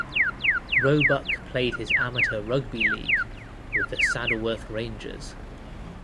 Roebuck played his amateur rugby league with the Saddleworth Rangers.